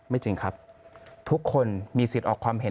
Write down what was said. จริงครับทุกคนมีสิทธิ์ออกความเห็น